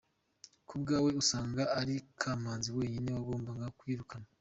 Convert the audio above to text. Ku bwawe usanga ari Kamanzi wenyine wagombaga kwirukanwa?